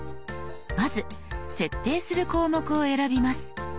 まず設定する項目を選びます。